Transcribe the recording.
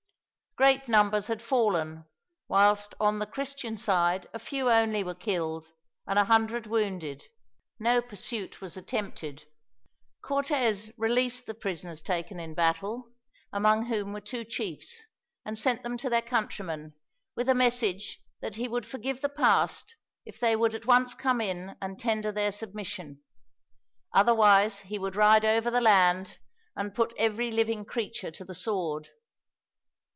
Great numbers had fallen, whilst on the Christian side a few only were killed, and a hundred wounded. No pursuit was attempted. Cortez released the prisoners taken in battle, among whom were two chiefs, and sent them to their countrymen, with a message that he would forgive the past if they would at once come in and tender their submission; otherwise he would ride over the land, and put every living creature to the sword.